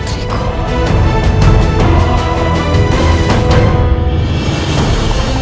tidak tidak tidak